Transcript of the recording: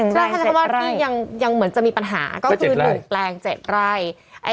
ฆ่าซึ่งคำว่าที่ยังเหมือนจะมีปัญหาก็คือหนึ่งแปลงเจ็บไร้